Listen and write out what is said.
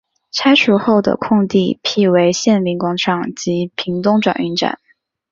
拆除后的空地辟为县民广场及屏东转运站。